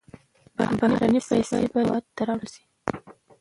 بهرنۍ پیسې باید هېواد ته راوړل شي.